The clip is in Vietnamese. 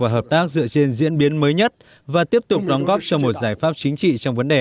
và hợp tác dựa trên diễn biến mới nhất và tiếp tục đóng góp cho một giải pháp chính trị trong vấn đề